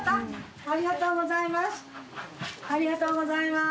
ありがとうございます。